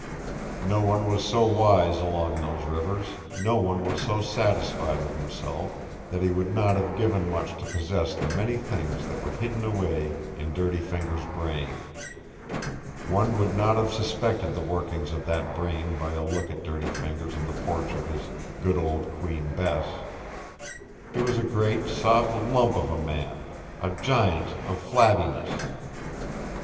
No one was so wise along those rivers, no one was so satisfied with himself, that he would not have given much to possess the many things that were hidden away in Dirty Fingers' brain. One would not have suspected the workings of that brain by a look at Dirty Fingers on the porch of his Good Old Queen Bess. He was a great soft lump of a man, a giant of flabbiness.